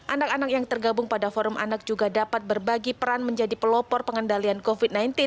anak anak yang tergabung pada forum anak juga dapat berbagi peran menjadi pelopor pengendalian covid sembilan belas